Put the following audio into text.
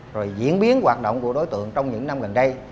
rồi diễn biến hoạt động của đối tượng trong những năm gần đây